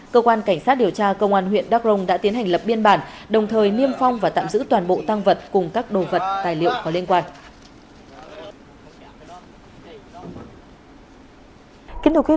cơ quan cảnh sát điều tra công an huyện đắk rồng đã tiến hành lập biên bản đồng thời niêm phong và tạm giữ toàn bộ tăng vật cùng các đồ vật tài liệu có liên quan